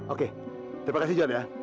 oke terima kasih john ya